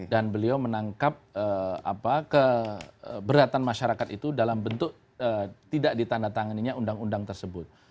dan beliau menangkap keberatan masyarakat itu dalam bentuk tidak ditandatangannya undang undang tersebut